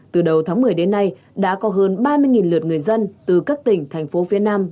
từ đầu tháng một mươi đến nay đã có hơn ba mươi lượt người dân từ các tỉnh thành phố phía nam